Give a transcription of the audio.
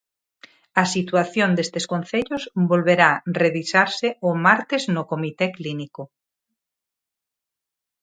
A situación destes concellos volverá revisarse o martes no Comité Clínico.